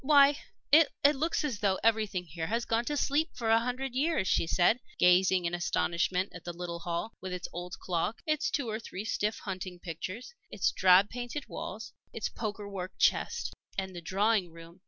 "Why, it looks as though everything here had gone to sleep for a hundred years," she said, gazing in astonishment at the little hall, with its old clock, its two or three stiff hunting pictures, its drab painted walls, its poker work chest. And the drawing room!